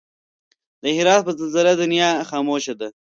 د هرات په زلزله دنيا خاموش ده